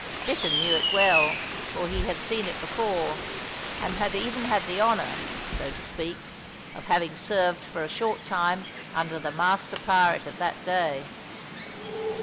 Bittern knew it well, for he had seen it before, and had even had the honour, so to speak, of having served for a short time under the master pirate of that day.